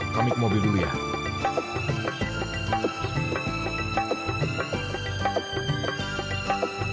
kamu mau berulang